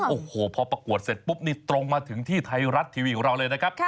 โอ้โหพอประกวดเสร็จปุ๊บนี่ตรงมาถึงที่ไทยรัฐทีวีของเราเลยนะครับ